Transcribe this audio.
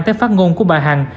tới phát ngôn của bà hằng